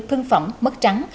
thương phẩm mất trắng